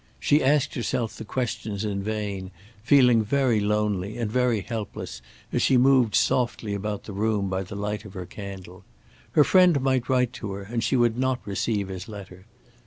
She asked herself the questions in vain, feeling very lonely and very helpless as she moved softly about the room by the light of her candle. Her friend might write to her and she would not receive his letter.